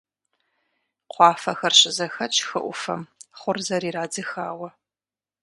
Кхъуафэхэр щызэхэтщ хы Ӏуфэм, хъурзэр ирадзыхауэ.